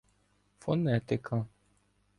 Фонетика